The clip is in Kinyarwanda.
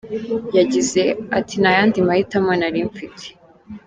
Yagize ati “Nta yandi mahitamo nari mfite.